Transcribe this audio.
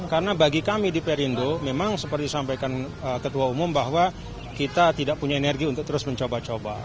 karena bagi kami di perindo memang seperti disampaikan ketua umum bahwa kita tidak punya energi untuk terus mencoba coba